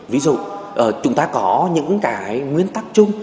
ví dụ chúng ta có những nguyên tắc chung